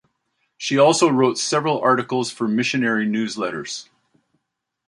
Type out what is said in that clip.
She also wrote several articles for missionary newsletters.